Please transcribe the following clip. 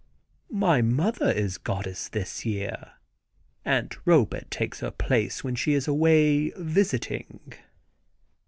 My mother is goddess this year. Aunt Robet takes her place when she is away visiting."